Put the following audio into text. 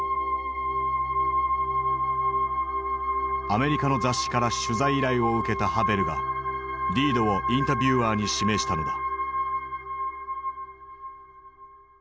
アメリカの雑誌から取材依頼を受けたハヴェルがリードをインタビュアーに指名したのだ。